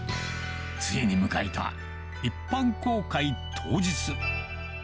ついに迎えた、一般公開当日。